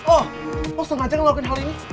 oh sengaja ngelakuin hal ini